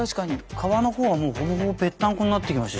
革の方はもうほぼほぼぺったんこになってきました